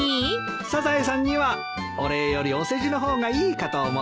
サザエさんにはお礼よりお世辞の方がいいかと思って。